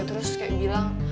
terus kayak bilang